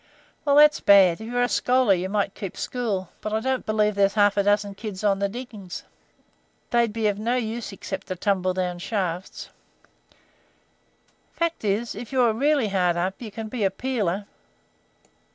"Well, that's bad. If you are a scholar, you might keep school, but I don't believe there's half a dozen kids on the diggin's. They'd be of no mortal use except to tumble down shafts. Fact is, if you are really hard up, you can be a peeler.